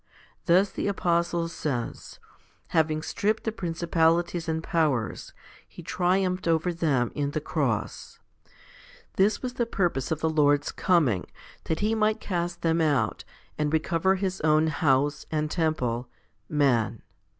Thus the apostle says, Having stripped the principalities and powers, He triumphed over them in the cross. 1 This was the purpose of the Lord's coming, that He might cast them out, and recover His own house and temple, man.